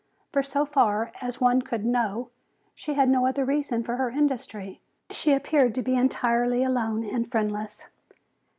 For so far as one could know she had no other reason for her industry. She appeared to be entirely alone and friendless.